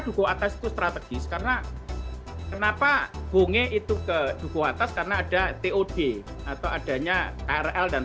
dukuh atas strategis karena kenapa bongge itu ke dukuh atas karena ada tod atau adanya krl dan